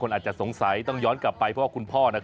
ก็อย่าลืมให้กำลังใจเมย์ในรายการต่อไปนะคะ